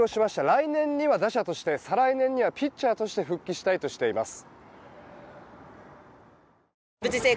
来年には打者として再来年にはピッチャーとして復帰したいとしています。